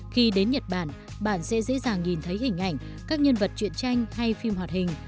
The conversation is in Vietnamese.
khi đến nhật bản bạn sẽ dễ dàng nhìn thấy hình ảnh các nhân vật chuyện tranh hay phim hoạt hình